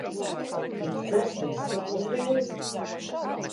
Izdzers visu uzreiz.